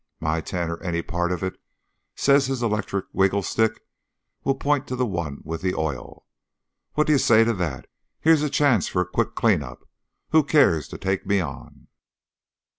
My ten, or any part of it, says his electric wiggle stick will point to the one with the oil. What do you say to that? Here's a chance for a quick clean up. Who cares to take me on?"